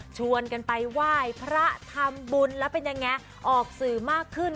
ชวนกันไปไหว้พระทำบุญแล้วเป็นยังไงออกสื่อมากขึ้น